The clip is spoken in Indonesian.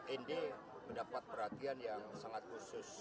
ini mendapat perhatian yang sangat khusus